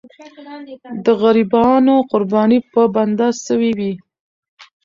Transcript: د غریبانو قرباني به بنده سوې وي.